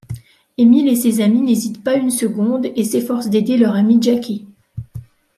Émile et ses amis n'hésitent pas une seconde et s'efforcent d'aider leur ami Jackie.